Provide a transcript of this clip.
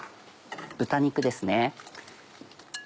豚肉ですね。